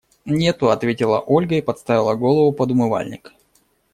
Нету, – ответила Ольга и подставила голову под умывальник.